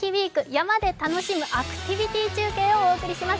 山で楽しむアクティビティー中継」をお送りします。